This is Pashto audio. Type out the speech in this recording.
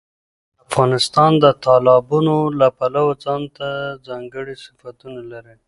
افغانستان د تالابونو له پلوه ځانته ځانګړي صفتونه لري.